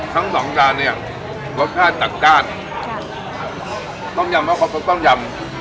ทั้งสองจานเนี้ยรสชาติจักรจ้านจ้ะต้องยำก็ครบต้องยำ